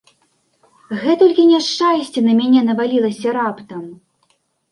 Гэтулькі няшчасця на мяне навалілася раптам!